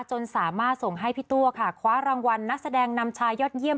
จนสามารถส่งให้พี่ตัวค่ะคว้ารางวัลนักแสดงนำชายยอดเยี่ยม